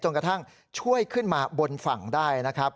กระทั่งช่วยขึ้นมาบนฝั่งได้นะครับ